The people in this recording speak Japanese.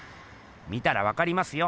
見たらわかりますよ！